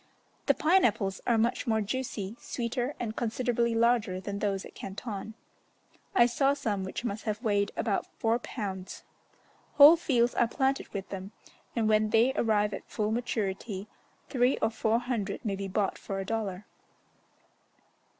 The pine apples are much more juicy, sweeter, and considerably larger than those at Canton; I saw some which must have weighed about four pounds. Whole fields are planted with them, and when they arrive at full maturity, three or four hundred may be bought for a dollar.